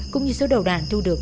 cũng như số đầu đạn thu được